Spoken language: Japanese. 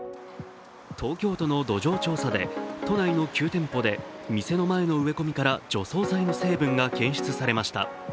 東京都の土壌調査で都内の９店舗で店の前の植え込みから除草剤の成分が検出されました。